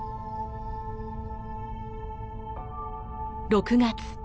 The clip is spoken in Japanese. ６月。